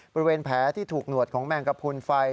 แผลที่ถูกหนวดของแมงกระพูนไฟ